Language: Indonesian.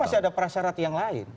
karena masih ada persyarat yang lain